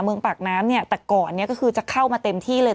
เมืองปากน้ำเนี่ยแต่ก่อนเนี่ยก็คือจะเข้ามาเต็มที่เลย